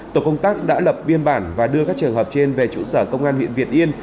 tổ công tác đã lập biên bản và đưa các trường hợp trên về trụ sở công an huyện việt yên